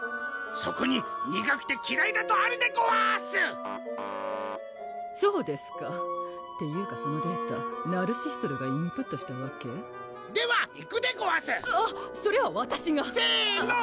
そこに「苦くてきらいだ」とあるでごわすそうですかっていうかそのデータナルシストルーがインプットしたわけ？ではいくでごわすあっそれはわたしがせの！